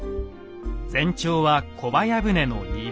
全長は小早船の２倍。